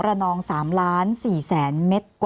ระนอง๓ล้าน๔แสนเม็ด